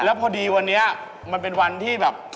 แล้วพอดีวันนี้มันเป็นวันที่แบบ